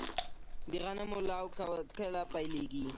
د غنمو لو کله پیل کړم؟